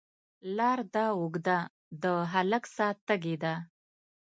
لار ده اوږده، د هلک ساه تږې ده